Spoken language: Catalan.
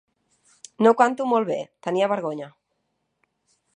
No canto molt bé, tenia vergonya.